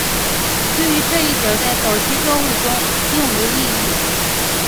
对于这一点在早期教会中并无异议。